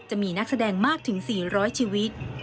จะมีนักแสดงมากถึง๔๐๐ชีวิต